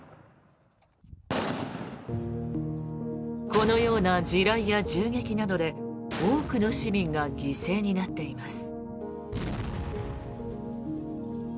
このような地雷や銃撃などで多くの市民が犠牲になっています。